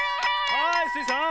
はいスイさん。